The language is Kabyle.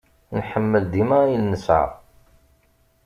Nḥemmel dima ayen nesεa.